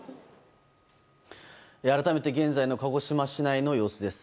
改めて現在の鹿児島市内の様子です。